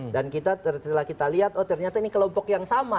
dan setelah kita lihat oh ternyata ini kelompok yang sama